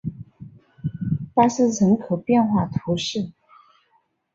巴斯人口变化图示